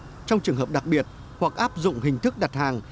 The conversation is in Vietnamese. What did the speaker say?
áp dụng trong trường hợp đặc biệt hoặc áp dụng hình thức đặt hàng